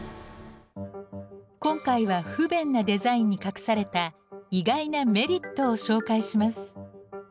今回は不便なデザインに隠された意外なメリットを紹介します。